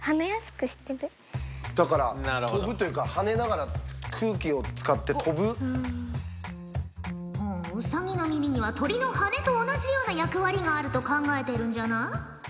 だから飛ぶというか跳ねながらほうウサギの耳には鳥の羽と同じような役割があると考えてるんじゃな？